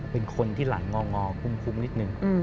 เป็นคนที่หลังงองอคุ้มนิดนึง